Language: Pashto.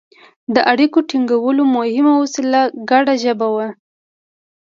د اړیکو ټینګولو مهمه وسیله ګډه ژبه وه.